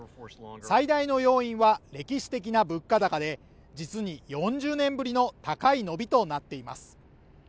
最大の要因は歴史的な物価高で実に４０年ぶりの高い伸びとなっています